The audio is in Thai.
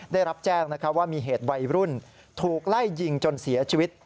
ได้รับแจ้งว่ามีเหตุวัยรุ่นถูกไล่ยิงจนเสียชีวิต